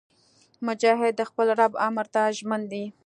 مجاهد د خپل رب امر ته ژمن دی.